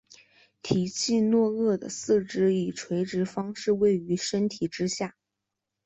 提契诺鳄的四肢以垂直方式位于身体之下。